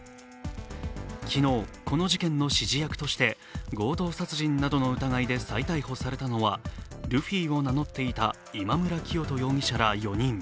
昨日、この事件の指示役として強盗殺人などの疑いで再逮捕されたのはルフィを名乗っていた今村磨人容疑者ら４人。